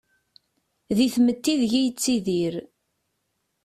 Di tmetti ideg-i yettidir.